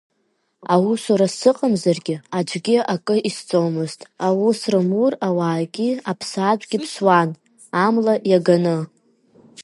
Аусура сыҟамзаргьы аӡәгьы акы изҵомызт, аус рымур ауаагьы, аԥсаатәгьы ԥсуан, амла иаганы.